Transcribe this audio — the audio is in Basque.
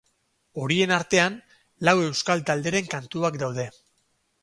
Horien arten, lau euskal talderen kantuak daude.